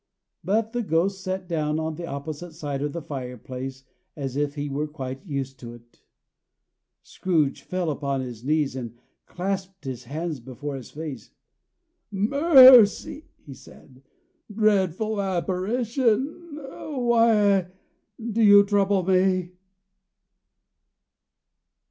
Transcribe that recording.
But the Ghost sat down on the opposite side of the fireplace, as if he were quite used to it. Scrooge fell upon his knees, and clasped his hands before his face. "Mercy!" he said, "Dreadful apparition, why do you trouble me?"